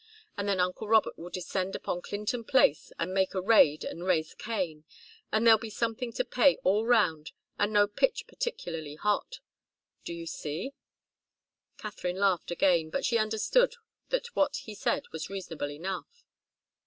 And then uncle Robert will descend upon Clinton Place and make a raid and raise Cain and there'll be something to pay all round and no pitch particularly hot. Do you see?" Katharine laughed again, but she understood that what he said was reasonable enough.